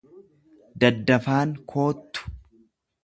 Daddafaan koottu.